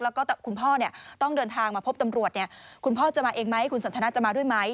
แล้วก็คุณพ่อต้องเดินทางมาพบตำรวจคุณพ่อจะมาเองไหมคุณสันทนาจะมาด้วยไหม